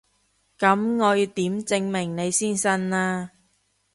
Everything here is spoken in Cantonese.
噉我要點證明你先信啊？